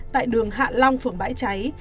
tại đường hạ long phường bãi cháy